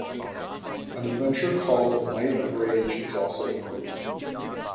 An adventure called "Night of Rage" is also included.